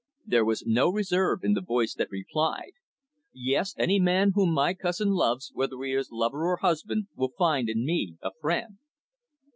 There was no reserve in the voice that replied. "Yes, any man whom my cousin loves, whether he is her lover or husband, will find in me a friend."